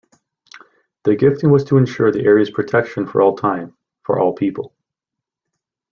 The gifting was to ensure the area's protection for all time, for all people.